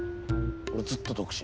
俺ずっと独身。